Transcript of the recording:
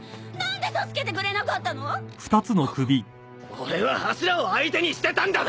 俺は柱を相手にしてたんだぞ！